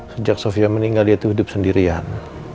sejak sofia meninggal dia itu hidup sendirian